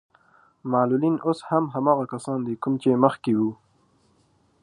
معلولين اوس هم هماغه کسان دي کوم چې مخکې وو.